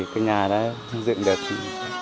còn trong giúp đỡ thì